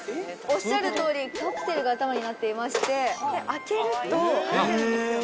おっしゃるとおりカプセルが頭になっていましてで開けると入ってるんですよ